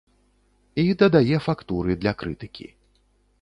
І дадае фактуры для крытыкі.